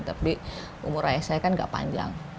tapi umur ayah saya kan gak panjang